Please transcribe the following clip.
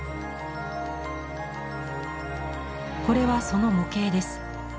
これはその模型です。